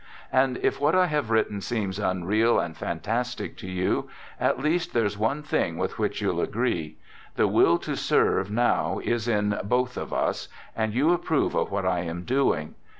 And if what I have written seems unreal and fan tastic to you, at least there's one thing with which you'll agree. The will to serve now is in both of us, and you approve of what I'm doing.